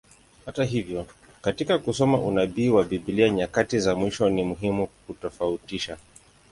Hata hivyo, katika kusoma unabii wa Biblia nyakati za mwisho, ni muhimu kutofautisha.